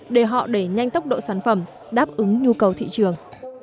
để họ đẩy nhanh tốc độ sản phẩm đáp ứng nhu cầu thị trường